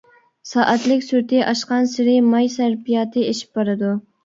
سائەتلىك سۈرئىتى ئاشقانسېرى ماي سەرپىياتى ئېشىپ بارىدۇ.